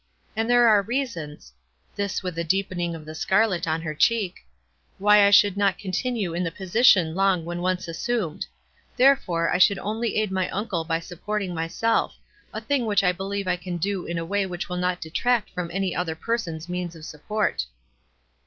And there are reasons " (this with a deepening of the scarlet on her cheek) "why I should not continue in the position long when once assumed ; therefore, I should only aid my uncle by sup porting myself — a thing which I believe I can do in a way which will not detract from any other person's means of support."